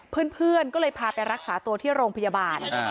เพื่อนก็เลยพาไปรักษาตัวที่โรงพยาบาล